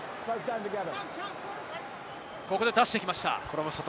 ここで出してきました。